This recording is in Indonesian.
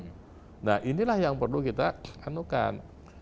nah inilah yang perlu kita anukan